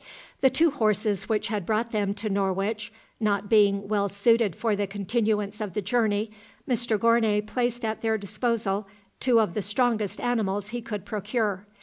The two horses which had brought them to Norwich not being well suited for the continuance of the journey, Mr Gournay placed at their disposal two of the strongest animals he could procure.